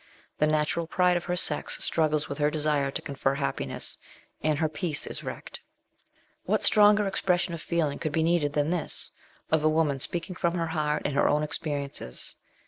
The natural pride of her sex struggles with her desire to confer happiness, and her peace is wrecked. What stronger expression of feeling could be needed than this, of a woman speaking from her heart and her own experiences